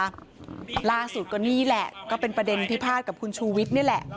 ล่าสุดก็นี่แหละก็เป็นประเด็นพิพาทกับคุณชูวิทย์นี่แหละ